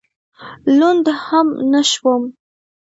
لوند هم نه شوم.